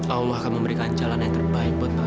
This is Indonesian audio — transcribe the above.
allah akan memberikan jalan yang terbaik buat bapak